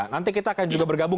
nanti kita akan juga bergabung